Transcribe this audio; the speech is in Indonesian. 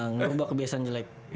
ngerubah kebiasaan jelek